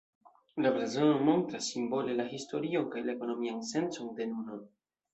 La blazono montras simbole la historion kaj la ekonomian sencon de nuno.